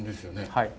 はい。